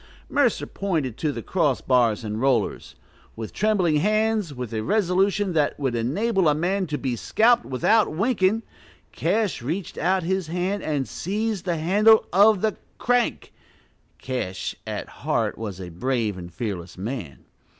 Mercer pointed to the cross bars and rollers. With trembling hands, with a resolution that would enable a man to be scalped without winking, Cash reached out his hand and seized the handle of the crank (Cash, at heart, was a brave and fearless man).